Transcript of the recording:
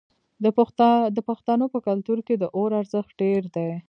د پښتنو په کلتور کې د اور ارزښت ډیر دی.